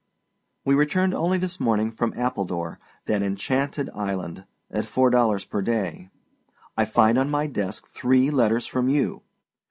We returned only this morning from Appledore, that enchanted island at four dollars per day. I find on my desk three letters from you!